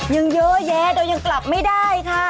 ยังเยอะแยะโดยยังกลับไม่ได้ค่ะ